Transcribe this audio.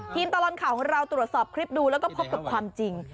ตลอดข่าวของเราตรวจสอบคลิปดูแล้วก็พบกับความจริง